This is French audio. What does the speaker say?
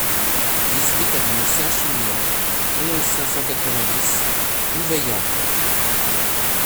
dix-huit avenue Saint-Chinian, onze, cinq cent quatre-vingt-dix, Ouveillan